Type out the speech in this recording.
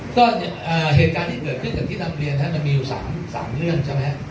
ก็เหตุการณ์ที่เกิดขึ้นกับที่ทำเรียนนะฮะมันมีอยู่สามสามเรื่องใช่มั้ย